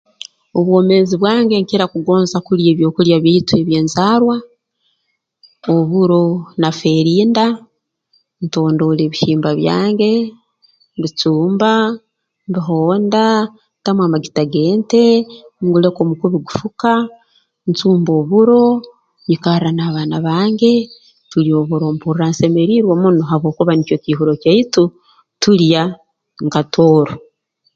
Obwomeezi bwange nkira kugonza kulya ebyokulya byaitu eby'enzaarwa oburo na feerinda ntondoora ebihimba byange mbicumba mbihonda ntamu amagita g'ente nguleka omukubi gufuka ncumba oburo nyikarra n'abaana bange tulya oburo mpurra nsemeriirwe muno habwokuba nikyo kiihuro kyaitu tulya nka Tooro